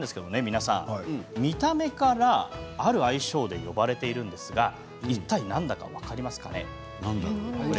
見た目からある愛称で呼ばれているんですがいったい何だか分かりますか？